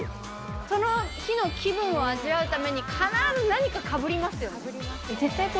その日の気分を味わうために、必ず何かかぶりますよね。